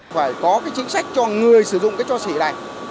phải có cái chính sách cho người sử dụng cái cho xỉ này